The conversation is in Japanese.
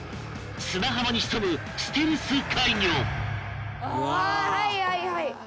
砂浜に潜むステルス怪魚